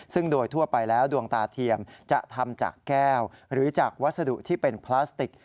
ซึ่งโดยทั่วไปแล้วดวงตาเทียมจะทำจากแก้วหรือจากวัสดุที่เป็นพลาสติก